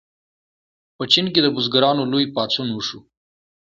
په چین کې د بزګرانو لوی پاڅون وشو.